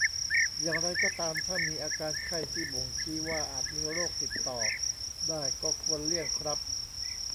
อย่างไรก็ตามถ้ามีอาการไข้ที่บ่งชี้ว่าอาจมีโรคติดต่อได้ก็ควรเลี่ยงครับ